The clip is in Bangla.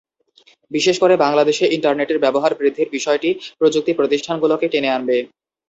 বিশেষ করে বাংলাদেশে ইন্টারনেটের ব্যবহার বৃদ্ধির বিষয়টি প্রযুক্তি প্রতিষ্ঠানগুলোকে টেনে আনবে।